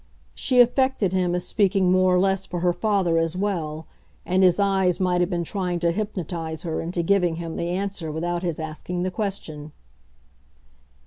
She affected him as speaking more or less for her father as well, and his eyes might have been trying to hypnotise her into giving him the answer without his asking the question.